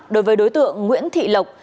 đối với đối tượng nguyễn thị lộc